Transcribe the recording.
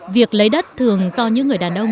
việc lấy đất thường do những người đàn ông trù sơn